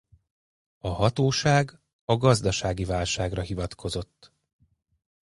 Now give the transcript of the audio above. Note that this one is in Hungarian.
A hatóság a gazdasági válságra hivatkozott.